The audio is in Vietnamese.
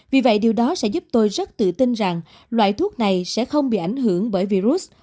vì vậy điều đó sẽ giúp tôi rất tự tin rằng loại thuốc này sẽ không bị ảnh hưởng bởi virus